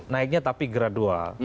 naiknya tapi gradual